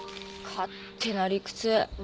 勝手な理屈。